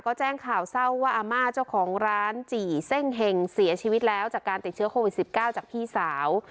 ก็แจ้งข่าวเศร้าว่าอาม่าเจ้าของร้านจี่เส้งเห็งเสียชีวิตแล้วจากการติดเชื้อโควิด๑๙จากพี่สาว